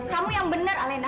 kamu yang benar alena